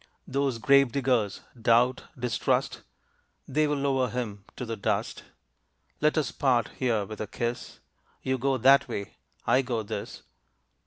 Those grave diggers, Doubt, Distrust, They will lower him to the dust. Let us part here with a kiss, You go that way, I go this.